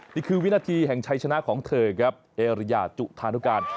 นี่คือวินาทีแห่งชัยชนะของเธอครับเอเรียจุธานุกาล